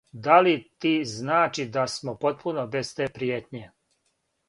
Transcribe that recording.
Да ли ти значи да смо потпуно без те пријетње?